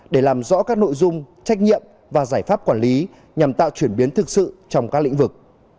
để làm rõ các nội dung trách nhiệm và giải pháp quản lý nhằm tạo chuyển biến thực sự trong các lĩnh vực